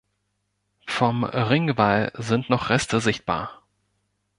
Vom Ringwall sind noch Reste sichtbar.